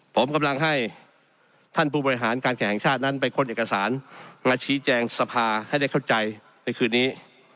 ผมกำลังให้ท่านผู้บริหารการแข่งชาตินั้นไปค้นเอกสารมาชี้แจงสภาให้ได้เข้าใจในคืนนี้